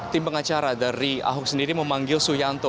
tim pengacara dari ahok sendiri memanggil suyanto